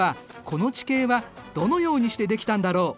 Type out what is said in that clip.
この地形はどのようにしてできたんだろう？